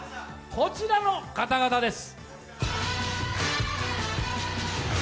こちらの方々です。